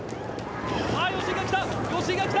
吉居が来た！